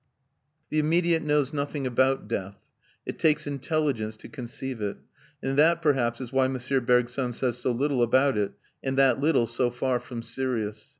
The immediate knows nothing about death; it takes intelligence to conceive it; and that perhaps is why M. Bergson says so little about it, and that little so far from serious.